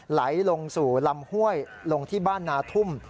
ไหลลงสู่ลำห้วยลงที่บ้านนาทุ่ม